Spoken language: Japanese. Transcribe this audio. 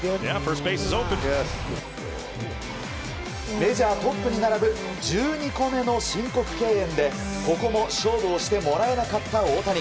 メジャートップに並ぶ１２個目の申告敬遠でここも勝負をしてもらえなかった大谷。